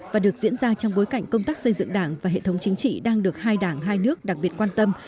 và được diễn ra trong bối cảnh công tác xây dựng đảng và hệ thống chính trị đang được hai đảng hai nước đặc biệt quan tâm